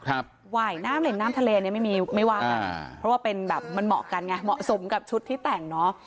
ว่ายน้ำเลยน้ำทะเลเนี่ยไม่ว่ากันเพราะว่ามันเหมาะกันไงเหมาะสมกับชุดที่แต่งเนอะ